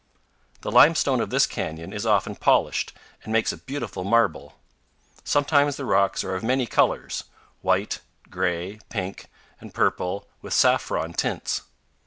The limestone of this canyon is often polished, and makes a beautiful marble. Sometimes the rocks are of many colors white, gray, pink, and purple, with saffron tints.